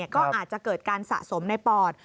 ก็อาจจะเกิดการสะสมในปอด